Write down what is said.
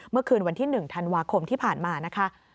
เมื่อคืนวันที่๑ธันวาคมที่ผ่านมานะคะ